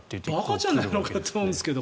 馬鹿じゃないのかと思うんですけど。